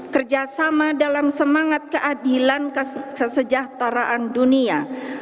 kerjasama dalam semangat keadilan kesejahteraan dunia